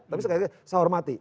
tapi sekalian saya hormati